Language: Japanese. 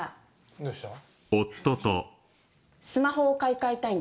どうしたの？